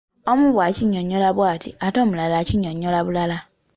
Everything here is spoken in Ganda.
Omu bw’akinnyonnyola bw’ati ate omulala akinnyonnyola bulala.